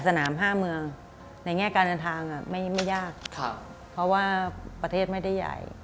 สนาม๕เมืองในแง่การเดินทางไม่ยากเพราะว่าประเทศไม่ได้ใหญ่